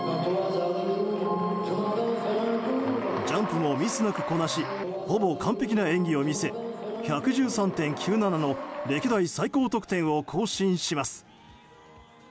ジャンプもミスなくこなしほぼ完璧な演技を見せ１１３．９７の歴代最高得点を更新します。